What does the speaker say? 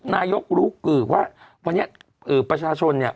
นายกรู้คือว่าวันนี้ประชาชนเนี่ย